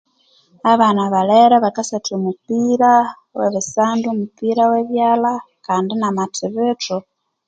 Abana balere bakasatha omupira we bisandu omupira webyalha kandi namathibitho